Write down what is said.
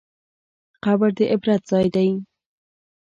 قبر د عبرت ځای دی.